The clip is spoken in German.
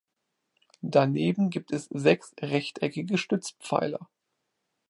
Daneben gibt es sechs rechteckige Stützpfeiler.